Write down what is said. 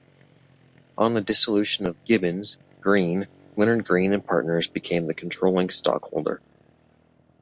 On the dissolution of Gibbons, Green; Leonard Green and Partners became the controlling stockholder.